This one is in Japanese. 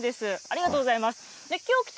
ありがとうございます。